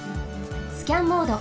スキャンモード。